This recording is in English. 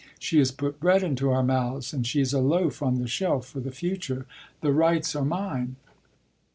She has put bread into our mouths and she's a loaf on the shelf for the future. The rights are mine."